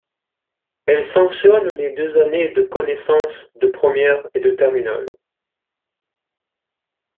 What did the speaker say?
Elles sanctionnent les deux années de connaissance de première et de terminale.